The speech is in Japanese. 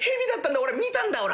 俺見たんだおら」。